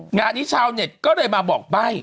งานนี้ชาวเน็ตก็ได้มาบอกไป